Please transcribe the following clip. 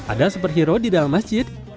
ada superhero di dalam masjid